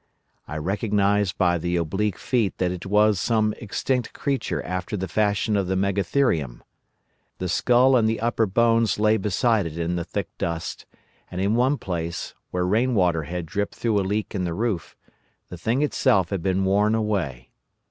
I recognised by the oblique feet that it was some extinct creature after the fashion of the Megatherium. The skull and the upper bones lay beside it in the thick dust, and in one place, where rain water had dropped through a leak in the roof, the thing itself had been worn away.